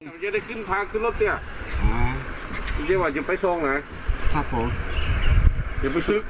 มันจะได้ขึ้นทางขึ้นรถนี่หาหงี๊ว่าจะไปส้งไหมครับผมเดี๋ยวไปซึก